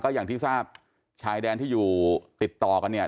อย่างที่ทราบชายแดนที่อยู่ติดต่อกันเนี่ย